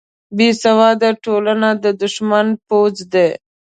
بیسواده ټولنه د دښمن پوځ دی